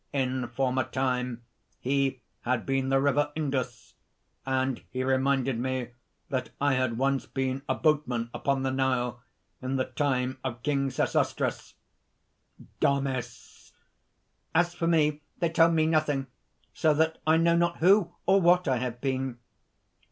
In former time he had been the River Indus; and he reminded me that I had once been a boatman upon the Nile, in the time of King Sesostris." DAMIS. "As for me, they told me nothing; so that I know not who or what I have been."